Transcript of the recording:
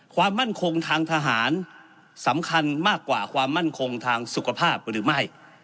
ความมั่นคงทางทหารสำคัญมากกว่าความมั่นคงทางสุขภาพหรือไม่